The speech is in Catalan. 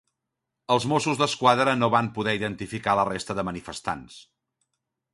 Els Mossos d'Esquadra no van poder identificar la resta de manifestants.